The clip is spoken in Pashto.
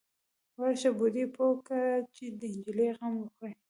_ورشه، بوډۍ پوه که چې د نجلۍ غم وخوري.